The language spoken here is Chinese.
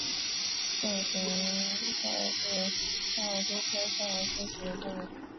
肾形逍遥蛛为逍遥蛛科逍遥蛛属的动物。